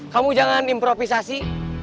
kamu jangan improvisasi